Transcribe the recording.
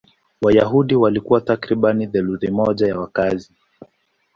Wayahudi walikuwa takriban theluthi moja ya wakazi.